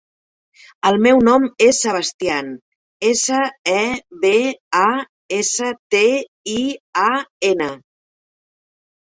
El meu nom és Sebastian: essa, e, be, a, essa, te, i, a, ena.